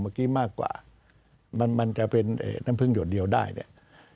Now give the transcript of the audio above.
เมื่อกี้มากกว่ามันจะเป็นน้ำพึ่งโดดเดียวได้เนี่ย